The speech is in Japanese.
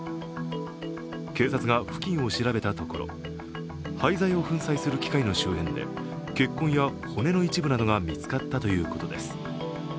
警察が付近を調べたところ廃材を粉砕する機械の周辺で血痕や骨の一部などが見つかったということです。